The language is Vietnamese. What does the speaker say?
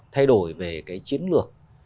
thay đổi về cái chiến lược